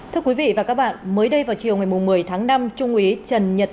thưa quý vị và các bạn mới đây vào chiều ngày một mươi tháng năm trung úy trần nhật